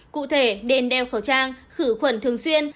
cụ thể đền đeo khẩu trang khử khuẩn thường xuyên